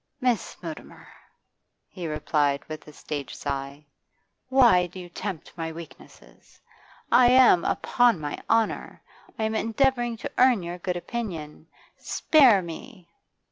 'Miss Mutimer,' he replied, with a stage sigh, 'why do you tempt my weakness? I am on my honour; I am endeavouring to earn your good opinion. Spare me!